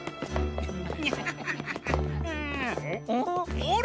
あれ？